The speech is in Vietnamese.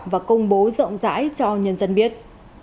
và công bố rộng rãi cho nhân dân biết